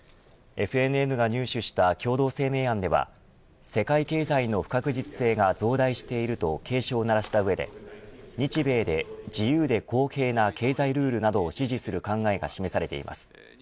ＦＮＮが入手した共同声明案では世界経済の不確実性が増大していると警鐘を鳴らした上で日米で自由で公平な経済ルールなどを支持する考えが示されています。